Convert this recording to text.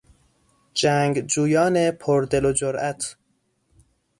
جنگجویان پر دل و جرات